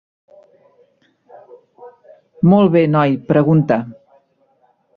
Molt bé noi, pregunta.